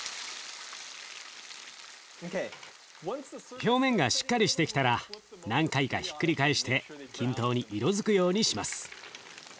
表面がしっかりしてきたら何回かひっくり返して均等に色づくようにします。